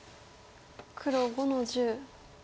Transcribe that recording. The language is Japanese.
黒５の十。